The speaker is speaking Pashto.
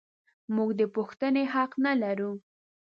موږ د پوښتنې حق نه لرو.